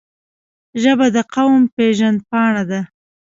ژبه د قوم پېژند پاڼه ده